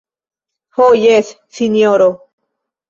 Ho jes, sinjoro.